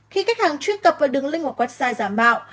khi khách hàng truy cập và đường link hoặc website giả mạo